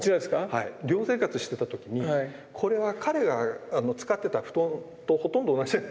はい寮生活してた時にこれは彼が使ってた布団とほとんど同じなんですよね。